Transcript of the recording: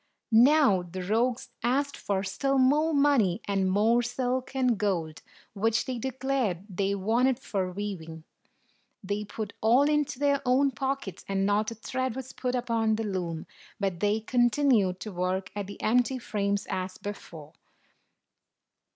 120 Now the rogues asked for still more money, and more silk and gold, which they declared they wanted for weaving. They put all into their own pockets, and not a thread was put upon the loom ; but they continued to work at the empty frames as before.